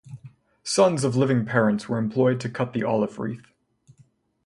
Sons of living parents were employed to cut the olive-wreath.